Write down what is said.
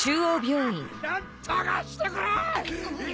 ・何とかしてくれ！